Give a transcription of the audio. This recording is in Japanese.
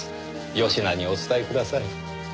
よしなにお伝えください。